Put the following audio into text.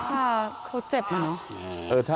เขาเจ็บหนึ่ง